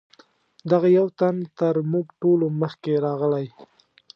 دغه یو تن تر موږ ټولو مخکې راغلی.